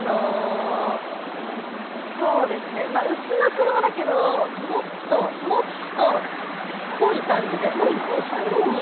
うちの車だけど、もっと、もっと濃い感じで。